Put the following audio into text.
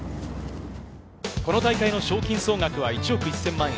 この大会の賞金総額は１億１０００万円。